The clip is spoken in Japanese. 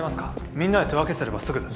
みんなで手分けすればすぐだし。